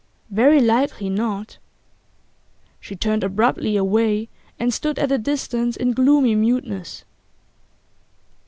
'Very likely not.' She turned abruptly away, and stood at a distance in gloomy muteness.